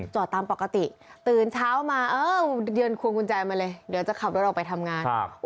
จอดตามปกติตื่นเช้ามาเออยืนควงกุญแจมาเลยเดี๋ยวจะขับรถออกไปทำงาน